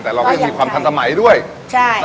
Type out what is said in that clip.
แต่เราก็ยังมีความทันสมัยด้วยใช่